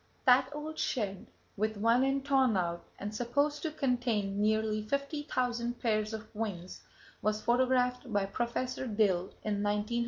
That old shed, with one end torn out, and supposed to contain nearly fifty thousand pairs of wings, was photographed by Prof. Dill in 1911, as shown herewith.